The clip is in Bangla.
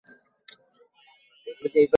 তুমি আবার আঘাত করবে।